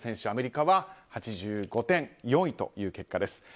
アメリカは８５点、４位という結果です。